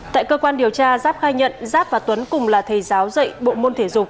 tại cơ quan điều tra giáp khai nhận giáp và tuấn cùng là thầy giáo dạy bộ môn thể dục